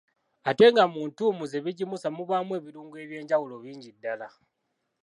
Ate nga mu ntuumu z’ebijimusa mubaamu ebirungo ebyenjawulo bingi ddala.